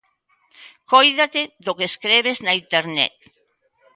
Cóidate do que escrebes na Internet.